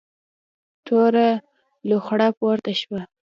توره لوخړه پورته شوه.